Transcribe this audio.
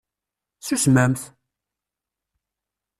Susmemt!